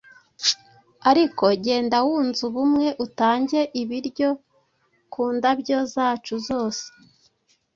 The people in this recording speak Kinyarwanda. Ariko genda wunze ubumwe, utange ibiryo ku ndabyo zacu zose. '